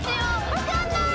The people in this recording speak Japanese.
分かんなーい！